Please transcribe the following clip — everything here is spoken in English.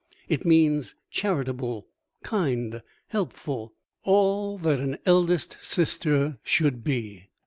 It means charitable, kind, helpful; all that an eldest sister should be!